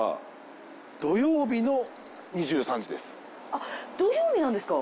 あっ土曜日なんですか？